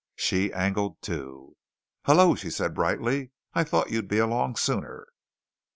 She angled too. "Hello," she said brightly. "I thought you'd be along sooner."